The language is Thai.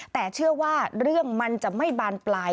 แต่เชื่อว่าเรื่องมันจะไม่บานปลาย